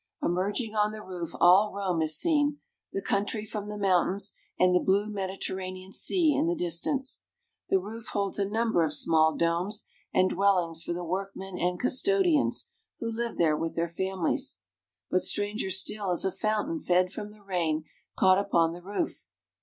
Emerging on the roof, all Rome is seen, the country from the mountains, and the blue Mediterranean Sea in the distance. The roof holds a number of small domes, and dwellings for the workmen and custodians, who live there with their families. But stranger still is a fountain fed from the rain caught upon the roof.